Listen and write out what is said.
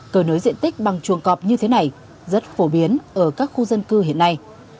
cờ nới diện tích bằng chuồng cọp như thế này rất phổ biến ở các khu dân cư hiện nay